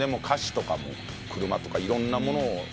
歌詞とかも車とかいろんなものを。